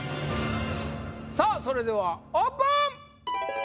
さあそれではオープン！